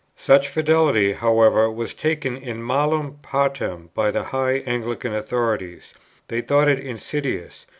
Such fidelity, however, was taken in malam partem by the high Anglican authorities; they thought it insidious.